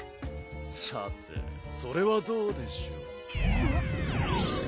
さてそれはどうでしょう。